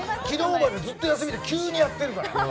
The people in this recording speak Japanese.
昨日までずっと休みで急にやってるから。